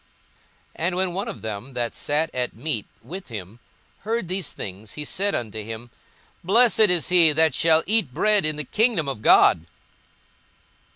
42:014:015 And when one of them that sat at meat with him heard these things, he said unto him, Blessed is he that shall eat bread in the kingdom of God.